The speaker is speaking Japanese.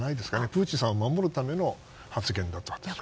プーチンさんを守るための発言だった。